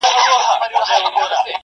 ستا روح به ارام ومومي.